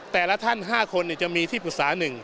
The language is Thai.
แต่ละท่าน๕คนจะมีที่ปรึกษา๑